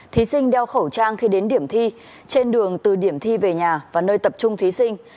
thí sinh đeo khẩu trang khi đến điểm thi trên đường từ điểm thi về nhà và nơi tập trung thí sinh